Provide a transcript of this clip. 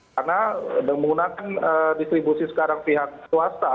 karena menggunakan distribusi sekarang pihak swasta